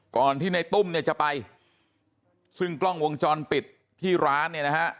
ก่อนที่ในตุ้มเนี่ยจะไปซึ่งกล้องวงจรปิดที่ร้านเนี่ยนะฮะ